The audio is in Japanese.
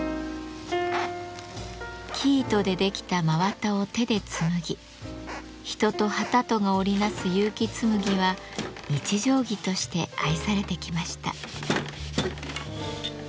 生糸で出来た真綿を手で紡ぎ人と機とが織り成す結城紬は日常着として愛されてきました。